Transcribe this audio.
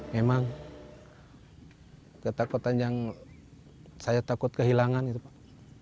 memang ketakutan yang saya takut kehilangan itu pak